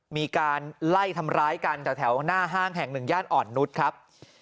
มีการไล่ทำร้ายกันแถวหน้าห้างแห่งหนึ่งย่านอ่อนนุษย์ครับ